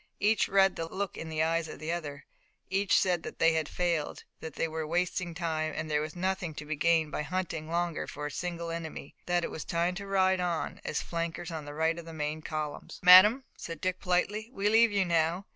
Each read the look in the eyes of the other. Each said that they had failed, that they were wasting time, that there was nothing to be gained by hunting longer for a single enemy, that it was time to ride on, as flankers on the right of the main column. "Madame," said Dick politely, "we leave you now.